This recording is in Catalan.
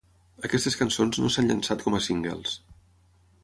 Aquestes cançons no s"han llançat com a singles.